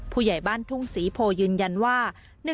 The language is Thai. ผู้ใหญ่บ้านทุ่งศรีโพยืนยันว่า